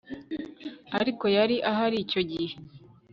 ariko yari ahari icyo gihe